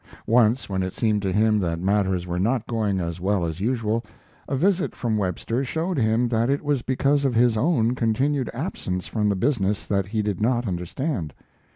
Once, when it seemed to him that matters were not going as well as usual, a visit from Webster showed him that it was because of his own continued absence from the business that he did not understand.